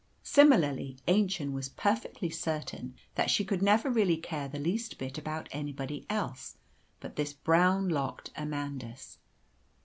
Similarly, Aennchen was perfectly certain that she could never really care the least bit about anybody else but this brown locked Amandus.